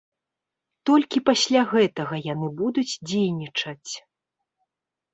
Толькі пасля гэтага яны будуць дзейнічаць!